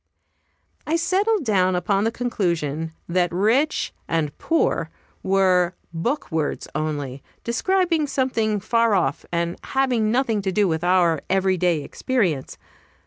I settled down upon the conclusion that "rich" and "poor" were book words only, describing something far off, and having nothing to do with our every day experience.